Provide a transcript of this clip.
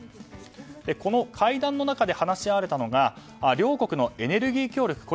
この会談の中で話し合われたのが両国のエネルギー協力